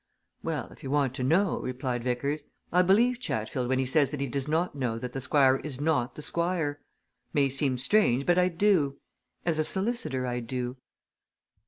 "Well, if you want to know," replied Vickers, "I believe Chatfield when he says that he does not know that the Squire is not the Squire. May seem strange, but I do! As a solicitor, I do."